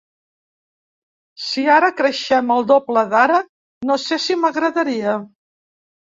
Si ara creixem el doble d’ara, no sé si m’agradaria.